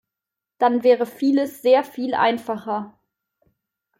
Dann wäre vieles sehr viel einfacher.